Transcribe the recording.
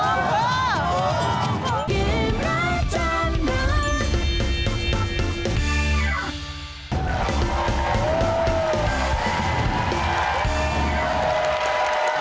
เกมรับจำนำ